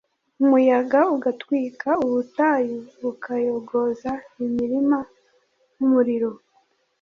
umuyaga ugatwika ubutayu, ukayogoza imirima nk'umuriro